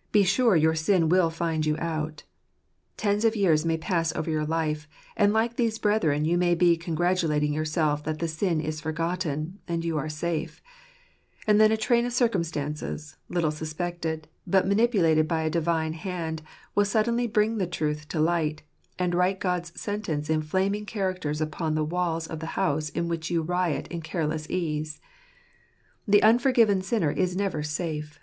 " Be sure your sin will find you out." Tens of years may pass over your life ; and like these brethren you may be congratulating yourself that the sin is forgotten, and you are safe : and then a train of circumstances, little suspected, but mani pulated by a Divine hand, will suddenly bring the truth to light, and write God's sentence in flaming characters upon the walls of the house in which you riot in careless ease. The unforgiven sinner is never safe.